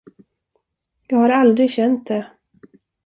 Jag har aldrig känt det.